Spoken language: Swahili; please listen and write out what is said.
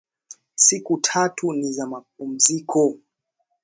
Siku tatu ni za mapumziko